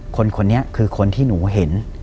คนคนเนี่ยคือคนที่หนูเห็น